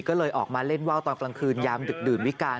ก็เลยออกมาเล่นว่าวตอนกลางคืนยามดึกดื่นวิการ